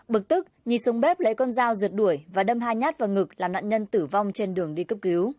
bực tức nhì xuống bếp lấy con dao rượt đuổi và đâm hai nhát vào ngực làm nạn nhân tử vong trên đường đi cấp cứu